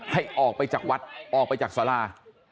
ให้ออกไปจากวัดออกไปจากสารา